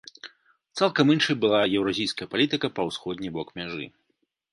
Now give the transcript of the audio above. Цалкам іншай была еўразійская палітыка па ўсходні бок мяжы.